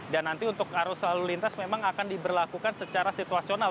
dan nanti untuk arus lalu lintas memang akan diberlakukan secara situasional